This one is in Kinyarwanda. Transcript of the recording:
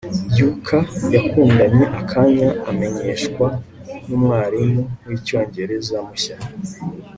Yuka yakundanye akanya amenyeshwa numwarimu wicyongereza mushya